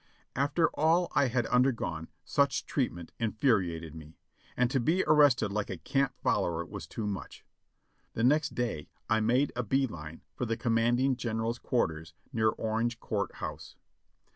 After all I had undergone, such treat ment infuriated me ; and to be arrested like a camp follower was too much. The next day I made a bee line for the commanding general's quarters near Orange Court House.